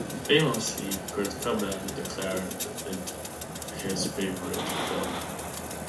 Famously, Kurt Cobain declared it his favourite film.